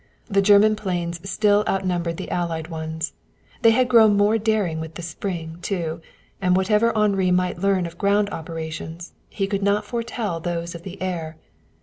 The German planes still outnumbered the Allied ones. They had grown more daring with the spring, too, and whatever Henri might learn of ground operations, he could not foretell those of the air.